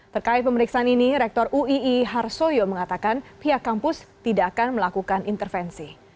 terkait pemeriksaan ini rektor uii harsoyo mengatakan pihak kampus tidak akan melakukan intervensi